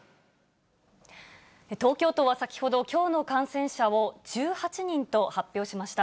東京都は先ほど、きょうの感染者を１８人と発表しました。